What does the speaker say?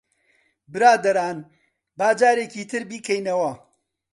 برادەران، با جارێکی تر بیکەینەوە.